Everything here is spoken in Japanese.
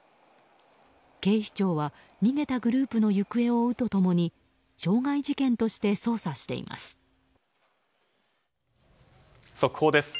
警視庁は逃げたグループの行方を追うと共に傷害事件として捜査しています。